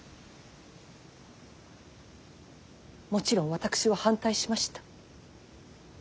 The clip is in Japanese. もちろん私は反対しました。